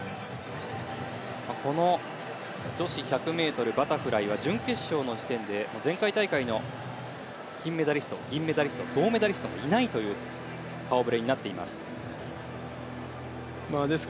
この女子１００ｍバタフライは準決勝の時点で前回大会の金メダリスト銀メダリスト、銅メダリストがいないという顔ぶれになっています。